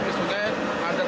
di sukajaya di tandang